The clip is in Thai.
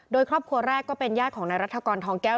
โดยครอบครัวแรกก็เป็นญาติของนายรัฐกรทองแก้ว